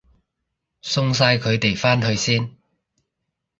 送晒佢哋返去先